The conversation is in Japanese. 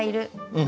うん。